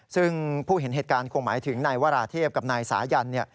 ซึ่งผู้เห็นเหตุการณ์คงหมายถึงนายวราเทพกับนายสายัน